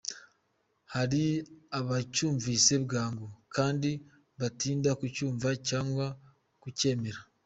Hari abacyumvise bwangu, abandi batinda kucyumva, cyangwa kucyemera.